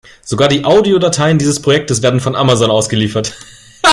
Sogar die Audiodateien dieses Projektes werden von Amazon ausgeliefert.